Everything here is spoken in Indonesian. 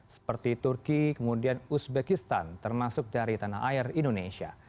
seperti turki kemudian uzbekistan termasuk dari tanah air indonesia